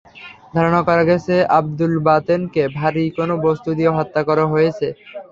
ধারণা করা হচ্ছে, আবদুল বাতেনকে ভারী কোনো বস্তু দিয়ে হত্যা করা হয়েছে।